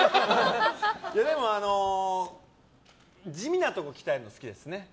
でも、地味なところ鍛えるの好きですね。